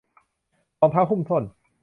รองเท้าหุ้มส้น